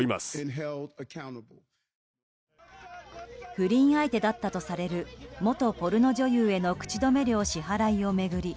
不倫相手だったとされる元ポルノ女優への口止め料支払いを巡り